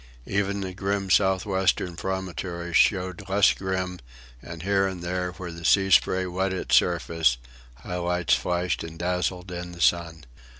Even the grim south western promontory showed less grim, and here and there, where the sea spray wet its surface, high lights flashed and dazzled in the sun.